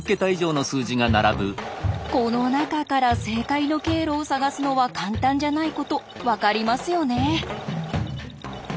この中から正解の経路を探すのは簡単じゃないこと分かりますよね。